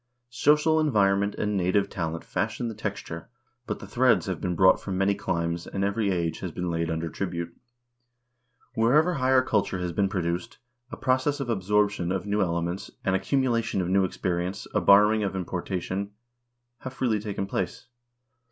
Social environment and native talent fashion the texture, but the threads have been brought from many climes, and every age has been laid under tribute. Wherever higher culture has been produced, a process of absorption of new ele ments, an accumulation of new experience, a borrowing and importa tion, have freely taken place.